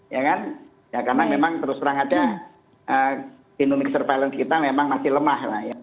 ya kan ya karena memang terus terang aja genomic surveillance kita memang masih lemah lah ya